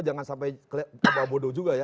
jangan sampai coba bodoh juga ya